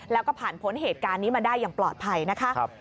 แล้วก็ผ่านพ้นเหตุการณ์นี้มาได้อย่างปลอดภัยนะคะ